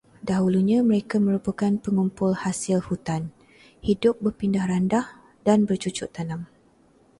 Dahulunya mereka merupakan pengumpul hasil hutan, hidup berpindah-randah, dan bercucuk tanam.